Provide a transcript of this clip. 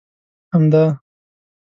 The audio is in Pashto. همدا!